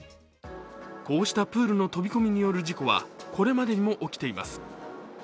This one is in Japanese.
こうしたプールの飛び込みによる事故はこれまでにも起きています。